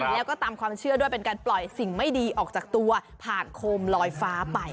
แล้วก็ตามความเชื่อด้วยเป็นการปล่อยสิ่งไม่ดีออกจากตัวผ่านโคมลอยฟ้าไป